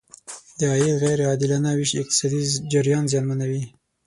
د عاید غیر عادلانه ویش اقتصادي جریان زیانمنوي.